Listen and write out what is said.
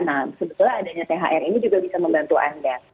nah sebetulnya adanya thr ini juga bisa membantu anda